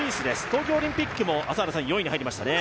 東京オリンピックも４位に入りましたね。